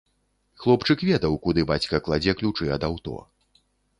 Хлопчык ведаў, куды бацька кладзе ключы ад аўто.